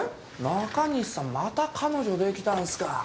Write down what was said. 中西さんまた彼女出来たんすか？